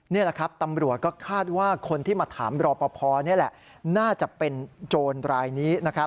นี่แหละครับตำรวจก็คาดว่าคนที่มาถามรอปภนี่แหละน่าจะเป็นโจรรายนี้นะครับ